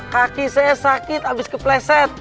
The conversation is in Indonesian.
kaki saya sakit habis kepleset